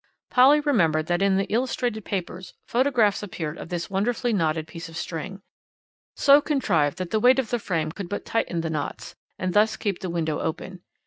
Polly remembered that in the illustrated papers photographs appeared of this wonderfully knotted piece of string, so contrived that the weight of the frame could but tighten the knots, and thus keep the window open.